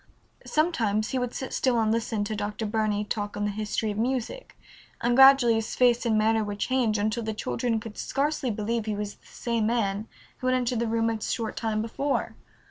Sometimes he would sit still and listen to Dr. Burney talk on the history of music, and gradually his face and manner would change until the children could scarcely believe he was the same man who had entered the room a short time before.